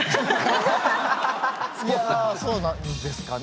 いやあそうなんですかね。